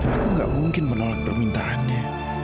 aku gak mungkin menolak permintaannya